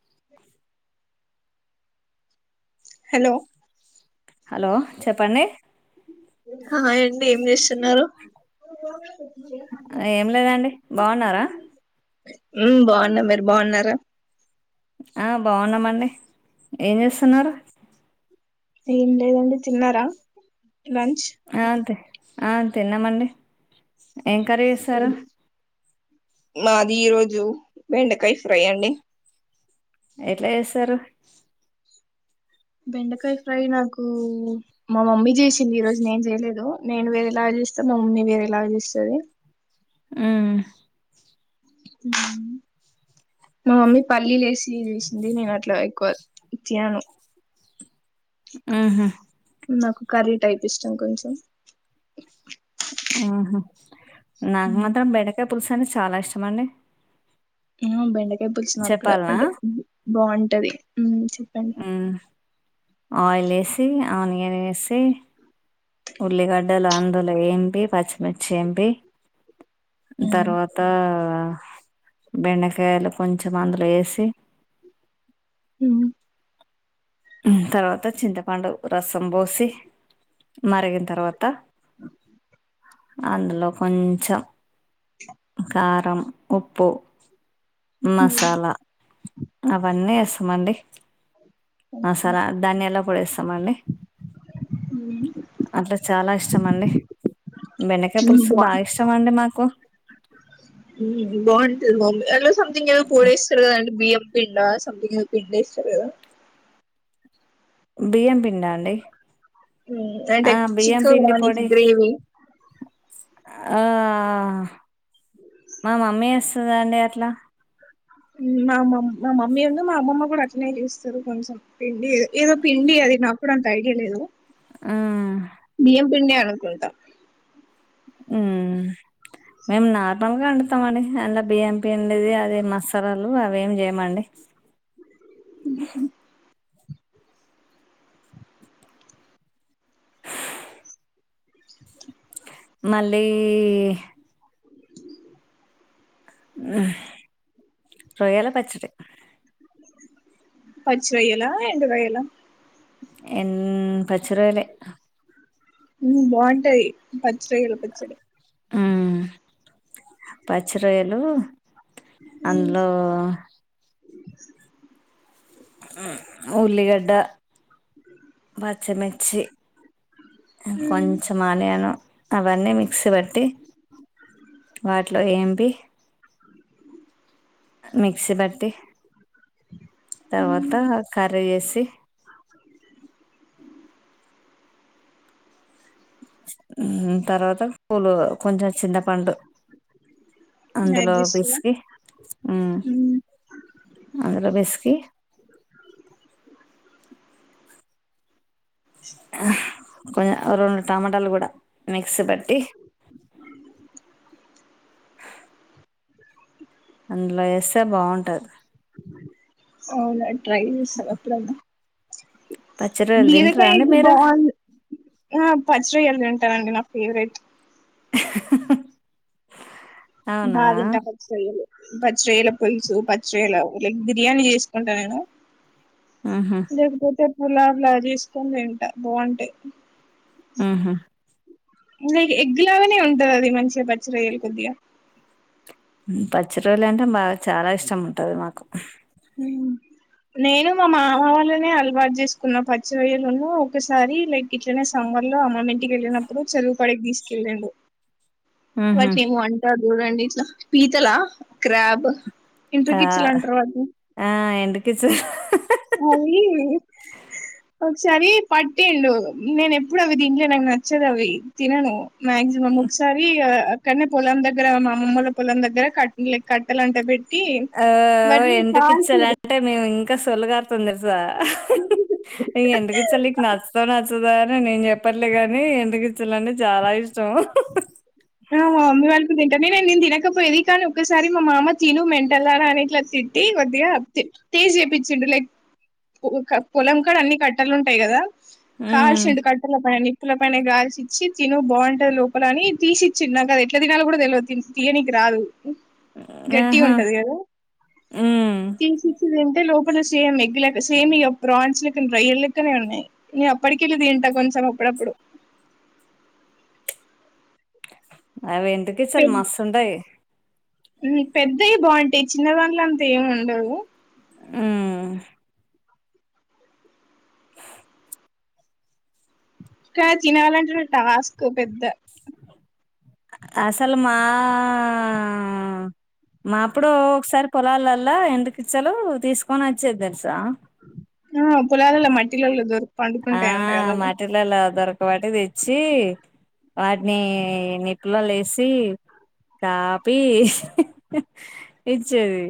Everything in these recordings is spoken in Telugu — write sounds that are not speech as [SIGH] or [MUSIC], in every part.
[INAUDIBLE] హలో హలో చెప్పండి అ ఏండి ఏం చేస్తున్నారు ఏం లేదండి బాగున్నారా బాగున్న మీరు బాగున్నారా ఆ బాగున్నామ అండి ఏం చేస్తున్నారు ఏం లేదండి చిన్నారా అ అదే ఆ తిన్నామండి ఏం కర్రీ చేసారు అది ఈరోజు వెండకాయ ఫ్రై అండి ఎట్లా చేస్తారు బెండకాయ ఫ్రై నాకు మా మమ్మీ చేసింది ఈరోజు నేను చేయలేదు నేను వేరేలాగ చేస్తా మా మమ్మీ వేరేలా చేస్తుంది ఉమ్ మా మమ్మీ పల్లీ లేసి తీ చేసింది నేను అట్లా ఎక్కువ ఇచ్చయను ఆహా నాకు కర్రీ టైప్ ఇష్టం కొంచెం ఆహా నాకు మాత్రం బెండకాయ పుల్స్ అంటె చాలా ఇష్టమండి ఉమ్ బెండ [UNINTELLIGIBLE] [UNINTELLIGIBLE] ఉమ్ చెప్పండి ఉమ్ ఆయిల్ వేసి ఆనియన్ వేసి ఉల్లిగడ్డలు అందులో వేంపి పచ్చిమిర్చి వేంపి తర్వాత బెండకాయలు కొంచెం అందులో వేసి హ్మ్మ్ తర్వాత చింతపండు రసం పోసి మరిగిన తర్వాత అందులో కొంచెం కారం ఉప్పు ఉమ్ మసాలా అవన్నీ స మండి ఓకే మసాలా ధాన్యాాల పొడేస్తామండి అట్లా చాలా ఇష్టం తినాలి బెండకాయ పులుసు బాగా ఇష్టం అండి మాకు బావుంటుందండి ఎదో సంథంగ్ ఏదో పోడేస్తారండీ బియ్యం పిన్న సంతింగ్ ఏదో పిండేశారు కదా బియ్యం పిండా అండి అంటే ఆ బియ్యం చికెన్ పిండి బిర్యానీ పొడి గ్రేవి ఆ మా మమ్మీ చేస్తుంది అండి అట్లా మా మమ్ మా మమ్మీ ఉందు మా అమ్మమ్మ కూడా అట్నే చేస్తారు కొంచెం పిండి ఏదో పిండి అది నాకు కూడా అంత ఐడియా లేదు ఉమ్ బియ్యం పిండే అనుకుంటా ఉమ్ మేము నార్మల్గా వండుతాం అండి అందులో బియ్యం పిండిది అది మసాలాలు అవి ఏమి చేయమండి ఉహూ మళ్ళీ రొయ్యల పచ్చడి పచ్చి రొయ్యలా ఎండు రొయ్యలా ఎం పచ్చి రొయ్యలే ఉమ్ బాగుంటాయి పచ్చి రొయ్యల పచ్చడి ఉమ్ పచ్చి రొయ్యలు అందులో ఉల్లిగడ్డ బా చిమ్మాయి చ్చి కొంచెం ఆనియను అవన్నీ మిక్సీ పట్టి వాటిలో ఏంపి మిక్సీ పట్టి తర్వాత కర్రీ చేసి ఉమ్ తర్వాత పూలు కొంచెం చింత పండు యాడ్ అందులో చేస్తారా పిసికి ఉమ్ అందులో పిసికి ఆ కొంచం రెండు టమాటాలు కూడా మిక్సి బట్టి అందులో వేస్తే బాగుంటది అవునండి ట్రై చేస్తా ఎప్పుడన్న పచ్చిరోలు తింటారా బీరకాయ అండి అయితే మీరు బాగుండు ఆ పచ్చి రొయ్యలు తింటానండి నా ఫేవరెట్ బా అవునా తింటా పచ్చి రొయ్యలు పచ్చ రొయ్యల పులుసు పచ్చరొయ్యల లైక్ బిర్యానీ చేసుకుంటా నేను ఉహు లేకపోతే గులాబ్ లా చేసుకొని తింట బాగుంటాయి ఉమ్ హమ్ న ఎగ్గులాగానే ఉంటది అది మంచిగా బచ్చరయ్యలు కొద్దిగా పచ్చి రయలు అంటే బాగా చాలా ఇష్టం ఉంటుంది మాకు నేను మా మామ వాళ్ళనే అలవాటు చేసుకున్న పచ్చి రోయ్యలను ఒకసారి లైక్ ఇట్లనే సమ్మర్ లో అమ్మ కి వెళ్ళినప్పుడు చ అక్కడికి తీసుకెళ్ళండు ఉహు పచ్చమ అంటడు చూడండి ఇట్లా పీతలా క్రాబ్ ఇంటికిచ్చలాంటారు కదా టి కిస్ ఆవి ఒక సరి పట్టేండు నేను ఎప్పుడు అవి తిన్లే నాకు నచ్చదు అవి తినను మ్యాక్సిమమ్ ఒకసారి అక్కడనే పొలం దగ్గర మా అమ్మమ్మ వాళ్ళ పొలం దగ్గర కట్ట లై కట్ట అే పె ఆ ఎంటుకు ఇచ్చాల అంటే మేము ఇం సొళ్ళు కారుతుంది తెల్సా సా ఎందూకు చలికి నచ్చ నా సదా అని నేను చెప్పట్లే గాని ఇంటికిచ్చలంటే చాలా ఇష్టం అ మా మామ్మి వాళ్ళ కూడా తిన్ అంటే నేను నేను తినకపోేది కానీ ఒకసారి మా మామ తిను మెంటల్దన్న అని ఇట్లా తిట్టి కొద్దిగా తేజ్ చేయిించిండు లైక్ ఒక పొలం కాడ అన్ని కట్టలు ఉంటాయి కదా ఉమ్ కాల్షడ్ కట్టలే పయని నిప్పుల పైన గాల్సి ఇచ్చి తిను బావుంటది లోపల అని తీసి చ్చి నాక్ అది ఎట్లా తినాలో గూడ తెల్వదు తియ్యనికి రాదు. గట్టిగా ఆహా ఉంటది గదా ఉమ్ తీసి ఇచ్చేది ఏంఉన్న టే లోపల సేమ్ ఎగ్ లెక్క సేమ్ ఇగ ప్రాన్స్ లెక్క రోయ్యళ్ళెక్కనే ఉన్నాయి. నేనప్పటికెళ్ళ తింటా కొంచం అప్పుడప్పుడు అ వేండ్రీకిచ్చలు మస్తుంటయి. ఉమ్ పెద్దయే బావుంటయి, చిన్నదాంట్ల అంత ఎం ఉండదు ఉమ్ క్రాబ్ తినాలంటనే టాస్క్ పెద్ద అసలు మా మాప్పుడు ఒకసారి పొలాలల్లా ఎండ్రికిచ్చలు తీసుకొనచ్ చ్చిర్ తెల్సా ఆ పొలాలల్ల మట్టిలల్ల దొరుక్ ఆ మాటిర్లల దొరక ఒక వాటి తెచ్చి వాటిని నిప్పులో లేసి కాపి ఇచ్చేది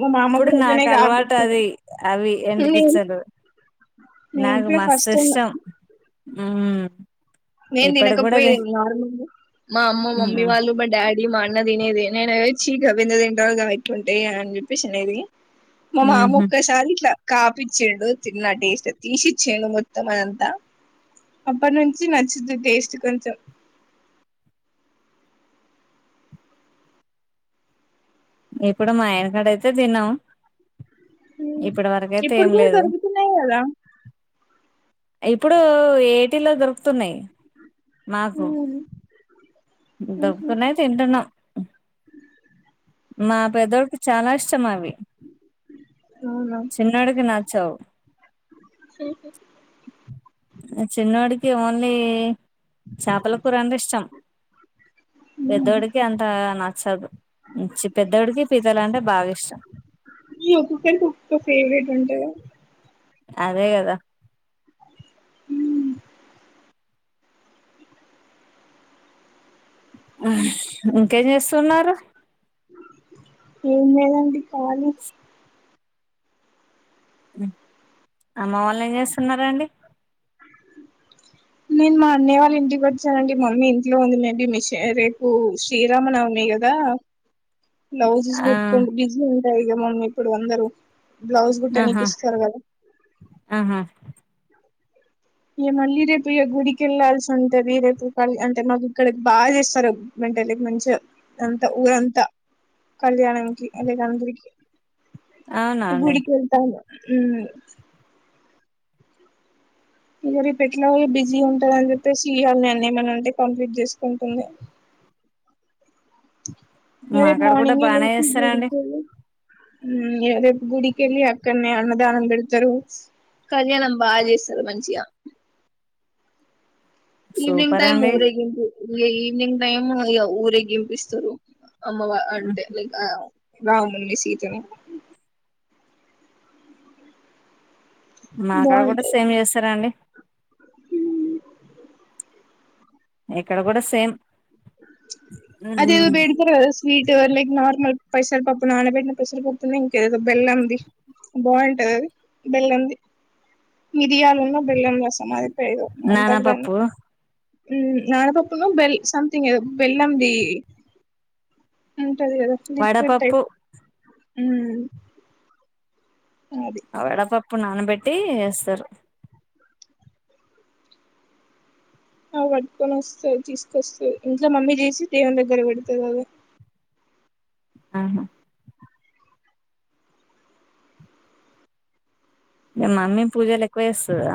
మా మామ కూడా అట్లనే నాకు కాపిచ్చింది అలవాటది అవి నేను ఎండుకిచ్చలు నేను నాకు కూడా ఫస్ట్ మస్తు టైం ఇష్టం. మ్మ్ నేను తినకపోయే నార్మల్ మా అమ్మ మమ్మీ ఉహు వాళ్ళు మా డాడీ మా అన్న తినేది నేను అదే చీక అ విందదిండగాయిట్ ఉంటయి అని చెప్పిసి అన్నేది మా మమ్మ ఒకసారి ఇట్లా కాపిచ్చాండు తిన్న టేస్ట్ తీసిచ్చేండు మొత్తం అదంతా అప్పటి నుంచి చి నచ్చుది టేస్ట్ కొంచెం ఇప్పుడు మా ఆయనకాడ అయితే తిన్నాం ఇప్పటి వరకయితే ఇప్పుడు ఏం గూడ లేదు దొరుగుతున్నయి గదా ఇప్పుడు ఏటీలో దొరుకుతున్నాయి నాకు దొరుకుతున్నాయ్ తింటున్నాం మా పేదోకి చాలా ఇష్టం అవి అవునా చిన్నోడికి నాచావు అ చిన్నోడికి ఓన్లీ చేపల కూర అంటే ఇష్టం పెద్దోడికి అంత నచ్చదు పెద్దోడికి పీతలు అంటే బాగా ఇష్టం ఇగ ఒక్కొక్కరికి ఒక్క ఫెవరెట్ ఉంటది గదా అదే గదా హ్మ్ ఆ ఇంకేం చేస్తున్నారు ఏం లేదండి కాలీ అమ్మ వాళ్ళు ఏం చేస్తున్నారా అండి నేను మా అన్నయ వాళ్ళ ఇంటికి వచ్చానండి మమ్మీ ఇంట్లో ఉంది మేబి మిష రేపు శ్రీరామ నవమి కదా బ్లౌజస్ ఆ గుట్కు బిజ ైగ మమ్మీ ఇప్పుడు అందరు బ్లౌజ్ గుట్టనీకి ఆహా ఇస్తారు కదా ఆహా ఇగా మళ్ళీ రేపు ఇగా గుడికి వెళ్లాాల్సి ఉంటది రేపు క అంటే మాకు ఇక్కడ బాగా చేస్తారు అంటే లైక్ మంచిగా అంత ఊరంతా కళ్యాణంకి అ అందరికి అవునా అండి గుడికిె వెళ్తా ఉమ్ ఇంకా రేప్ ఎట్లాి బిజీ ఉంటందని చెప్పేసి ఇయళని అన్న ఏమనాంటే కంప్లీట్ చేసుకుంటుంది ఇంకా రేపు మాకాడ కూడా మార్నింగ ఏ బానే లేసి చేస్తారండి గడికి వెళ్ళి ఉమ్ రేపు గుడికెళ్ళి అక్కడనే అన్నదానం పెడతారు కళ్యాణం బాగా చేస్తారు మంచిగా ఈవనింగ్ సూపర్ టైమ్ అండి ఊరేగింపూ ఈవినింగ్ టైమ్ ఇ ఊరే గంపిస్తారు అమ్మవ అంటే లైక్ ఆ రాము సీతను మాక్కడ కూడా బాగుంటది సేమ్ చేస్తారండి ఇక్కడ కూడా సేమ్ అదేదో పెడతారు కదా స్వీట్ లైక్ నార్మల్ పెసరపప్పు నానబెట్టిన పెసరపప్పునే ఇంకేదో బెల్లంది బాగుంటది అది బెల్లంది మిరియాలు ఉన్న బెల్లం సమాధిపదు ఉంటారు కాని నానపప్పు నానా పప్పు బల్ సమంతింగ్ ఎద బెల్లంది కదా ట వడపప్పు అ వడ పప్పు ప్పు నానబెట్టి చేస్తారు ఆ పట్టుకొని వస్తా తీసుకొస్తాది ఇంట్లో మమ్మీ చేసి దేవుని దగ్గర పెడత కదా ఆహా మమ్మీ పూజలు ఎక్కువ చేస్తాద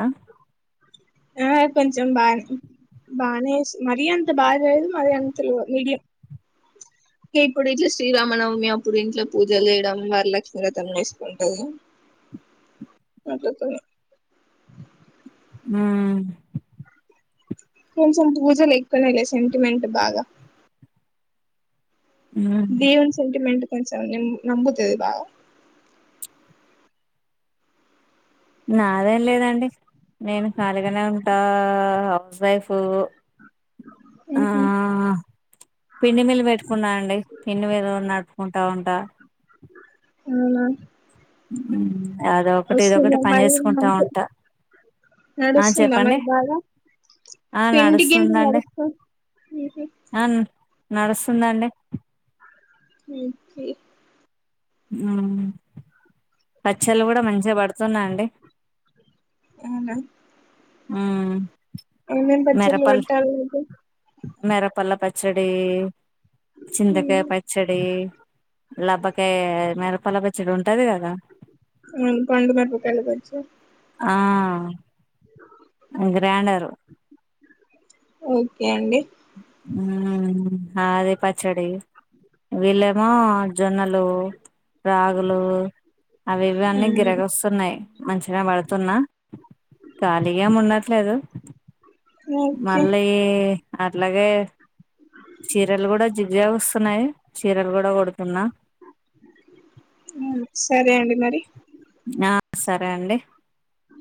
ఆ కొంచెం బాగా బానే మరీ అంత బాగా చేయదు మరి అంతడి మీడియం [UNINTELLIGIBLE] [INAUDIBLE] ఆ కొంచెం పూజలు ఎక్కువన లే సెంటిమెంట్ బాగా దీవున్ సెంటిమెంట్ కొంచం నమ్ముతాది నాదేం లేదండి నేను ఖాళీగానే ఉంటా హౌస్ వైఫ్ ఆ ఉహు పిండి మీలు పెట్టుకున్నా అండి పిండి మీలు నట్టుకుంటా ఉంటా అవునా అ వస్తుందా మరి మ ఆ నడుస్తుందా చెప్పండి మరి బాగా ఆ పిండి కింద నడుస్తుందండి నడుస్తా నడుస్తుందాండి ఒకే పచ్చళ్ళు కూడా మంచిగా పడుతున్నా అండి అవునా ఆ అనేం పచ్చలు వట్టాల మేరాపల్లా ప పచ్చడి చింతకాయ పచ్చడి లబ్భక మేర ప్పల బచ్చడి ఉంటది కదా అవు పండు మిరపకాయల పచ్చడి ఆ స గ్రాండారు ఓకే అండి అది పచ్చడి వీళ్ళమో జొన్నలు రాగులు అవి ఇవన్నీ మ్మ్ గిరగ వస్తున్నయి మంచిగనే పడుతున్నా ఖాళీగేమ్ ఉండట్లేదు ఓకే మళ్ళీ అట్లాగే చీరలు కూడా జిగ్జాగ్ వస్తున్నయి చీరలు కూడా కుడుతున్నా సరే అండి మరి ఆ సరే అండి అ